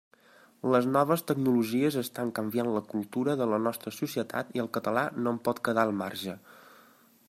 Les noves tecnologies estan canviant la cultura de la nostra societat i el català no en pot quedar al marge.